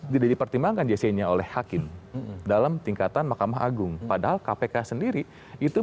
tidak dipertimbangkan jc nya oleh hakim dalam tingkatan mahkamah agung padahal kpk sendiri itu